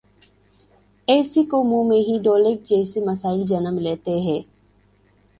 ایسی قوموں میں ہی ڈان لیکس جیسے مسائل جنم لیتے ہیں۔